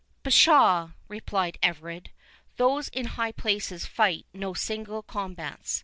"Pshaw," replied Everard, "those in his high place fight no single combats.